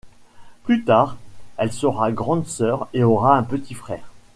Plus tard, elle sera grande sœur et aura un petit frère.